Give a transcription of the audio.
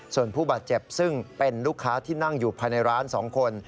ส่วนผู้บาดเจ็บซึ่งเป็นลูกค้าที่นั่งอยู่ภายในร้าน๒คน